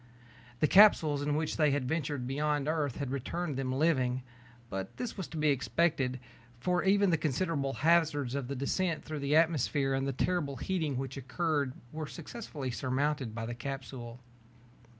The capsules in which they had ventured beyond Earth had returned them living. But this was to be expected, for even the considerable hazards of descent through the atmosphere and the terrible heating which occurred were successfully surmounted by the capsule.